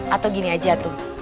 atau gini aja tuh